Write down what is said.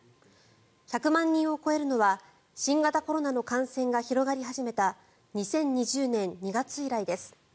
１００万人を超えるのは新型コロナの感染が広がり始めた２０２０年２月以来です。